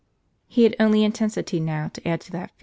He had only intensity now to add to that feeling.